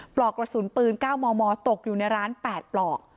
ปลอกกระสุนปืน๙มมตกอยู่ในร้าน๘ปลอก